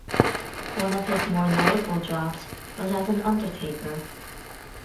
One of his more notable jobs was as an undertaker.